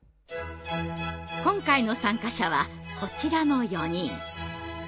今回の参加者はこちらの４人。